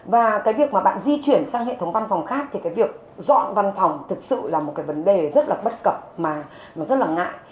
và cái việc mà bạn di chuyển sang hệ thống văn phòng khác thì cái việc dọn văn phòng thực sự là một cái vấn đề rất là bất cập mà rất là ngại